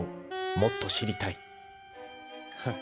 ［もっと知りたい］